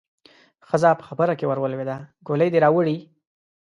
ښځه په خبره کې ورولوېده: ګولۍ دې راوړې؟